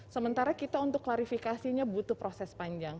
sementara kita untuk klarifikasinya butuh proses panjang